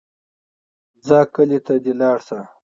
ځه کلي ته دې لاړ شه.